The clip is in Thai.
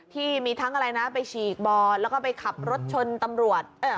ที่มีทั้งอะไรนะไปฉีกบแล้วก็ไปขับรถชนตำรวจ